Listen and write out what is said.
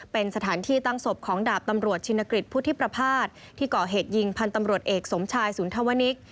เป็นสถานที่ตั้งศพของดาบตำรวจชินกฤษพุทธิประพาทที่ก่อเหตุยิงพันธ์ตำรวจเอกสมชายสุนทวนิก